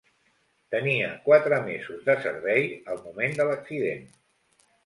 Tenia quatre mesos de servei al moment de l'accident.